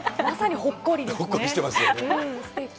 まさにほっこりですね。